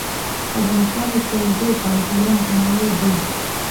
افغانستان د تودوخه له پلوه متنوع دی.